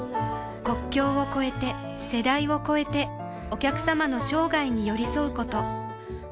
国境を超えて世代を超えてお客様の生涯に寄り添うこと